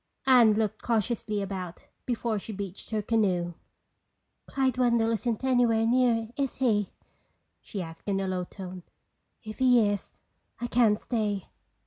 Anne looked cautiously about before she beached her canoe. "Clyde Wendell isn't anywhere near, is he?" she asked in a low tone. "If he is, I can't stay."